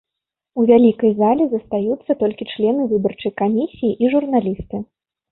У вялікай зале застаюцца толькі члены выбарчай камісіі і журналісты.